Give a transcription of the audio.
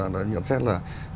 đã nhận xét là